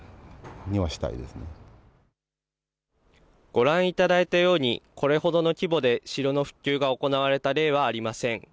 ご覧いただいたように、これほどの規模で城の復旧が行われた例はありません。